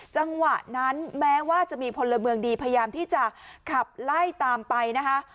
จังหวะนั้นแม้ว่าจะมีพลเมืองดีพยายามที่จะขับไล่ตามไปนะคะ